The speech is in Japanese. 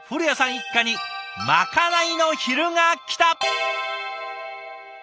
一家にまかないの昼がきた。